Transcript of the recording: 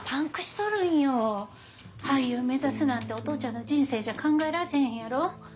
俳優目指すなんてお父ちゃんの人生じゃ考えられへんやろ？